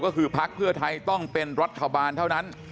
ก็คือพักเพื่อไทยต้องเป็นรัฐบาลเท่านั้น